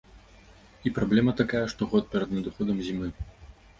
І праблема такая штогод перад надыходам зімы.